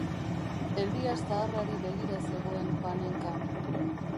Elias zaharrari begira zegoen Panenka.